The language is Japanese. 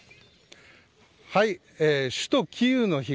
首都キーウの東